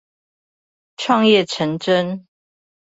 創業成真